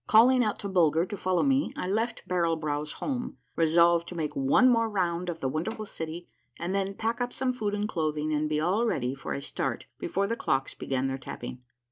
Calling out to Bulger to follow me, I left Barrel Brow's home, resolved to make one more round of the wonderful city, and then pack up some food and clothing and be all ready for a start before the clocks began their tapping.